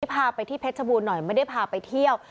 พาไปที่เพชรบูรณ์หน่อยไม่ได้พาไปเที่ยว